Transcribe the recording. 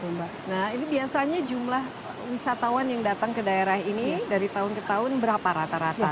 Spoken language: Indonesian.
nah ini biasanya jumlah wisatawan yang datang ke daerah ini dari tahun ke tahun berapa rata rata